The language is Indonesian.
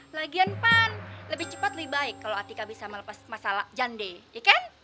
lagian pan lebih cepat lebih baik kalau atika bisa melepas masalah jande ya kan